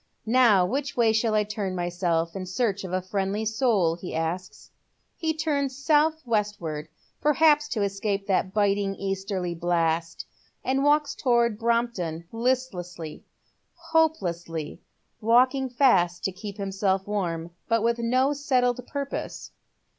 " Now which way shall I turn my«elf in search of a friendly •Dul ?" he asks. jb turns south westward, perhaps t» escape that biting easterly blast, and walks towards Brompton, listlessly, hopelessly, walking fast to keep himself warm, but with no settled purpose.